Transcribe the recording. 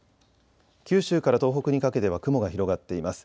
九州から東北にかけては雲が広がっています。